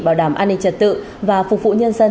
bảo đảm an ninh trật tự và phục vụ nhân dân